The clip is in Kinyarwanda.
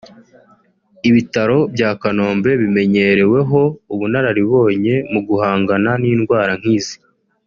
Ibitaro bya Kanombe bimenyereweho ubunararibonye mu guhangana n’indwara nk’izi